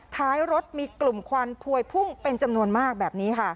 ท้ายรถมีกลุ่มควันพวยพุ่งเป็นจำนวนมากแบบนี้ค่ะ